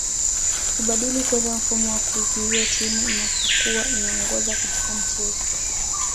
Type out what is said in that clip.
Kubadili kwenda mfumo wa kuzuia Timu inapokua inaongoza katika mchezo